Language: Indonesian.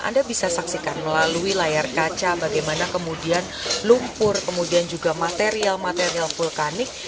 anda bisa saksikan melalui layar kaca bagaimana kemudian lumpur kemudian juga material material vulkanik